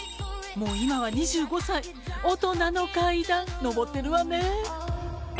もう今は２５歳大人の階段上ってるわね